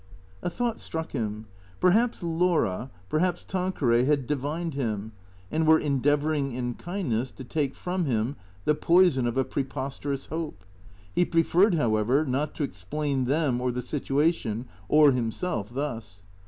A thought struck him. Perhaps Laura, perhaps Tanqueray, had divined him and were endeavouring in kindness to take 78 THECEEATOES from him the poison of a preposterous hope. He preferred, however, not to explain tliem or the situation or himself thus.